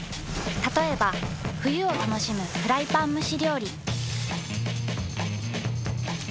たとえば冬を楽しむフライパン蒸し料理。